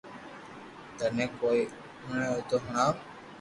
ٿني ھوئي تو ھڻاو